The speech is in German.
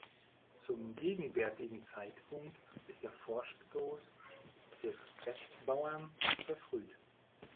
Zum gegenwärtigen Zeitpunkt ist der Vorstoß des f-Bauern verfrüht".